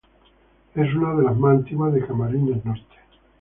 Es una de la más antiguas de Camarines Norte.